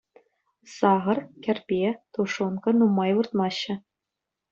Сахӑр, кӗрпе, тушенка нумай выртмаҫҫӗ.